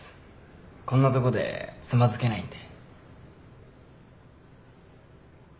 こんなとこでつまずけないんで。